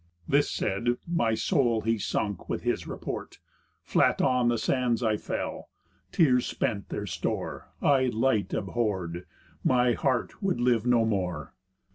This said, my soul he sunk with his report, Flat on the sands I fell, tears spent their store, I light abhorr'd, my heart would live no more.